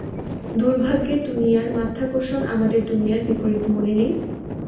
দুর্ভাগ্যের দুনিয়ার মাধ্যাকর্ষণ আমাদের দুনিয়ার বিপরীত, মনে নেই?